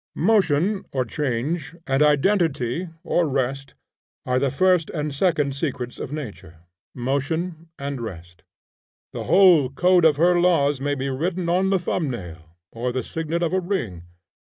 Motion or change and identity or rest are the first and second secrets of nature: Motion and Rest. The whole code of her laws may be written on the thumbnail, or the signet of a ring.